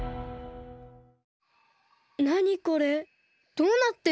どうなってんの？